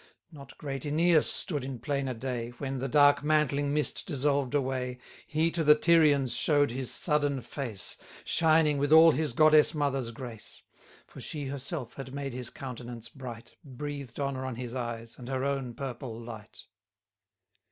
Not great Æneas stood in plainer day, When, the dark mantling mist dissolved away, 130 He to the Tyrians show'd his sudden face, Shining with all his goddess mother's grace: For she herself had made his countenance bright, Breathed honour on his eyes, and her own purple light.